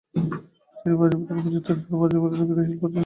তিনি মাঝে-মধ্যেই অনুপস্থিত থাকতেন ও মাঝারিমানের ক্রীড়াশৈলী প্রদর্শন করতেন।